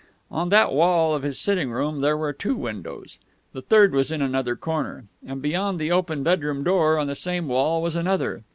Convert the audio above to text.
On that wall of his sitting room there were two windows (the third was in another corner), and, beyond the open bedroom door, on the same wall, was another.